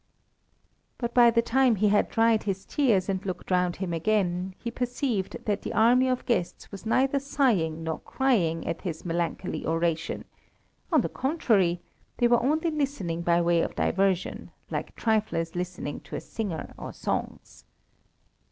But by the time he had dried his tears and looked round him again, he perceived that the army of guests was neither sighing nor crying at his melancholy oration; on the contrary, they were only listening by way of diversion, like triflers listening to a singer of songs.